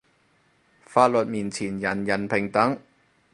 法律面前人人平等